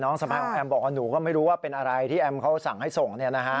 สะพายของแอมบอกว่าหนูก็ไม่รู้ว่าเป็นอะไรที่แอมเขาสั่งให้ส่ง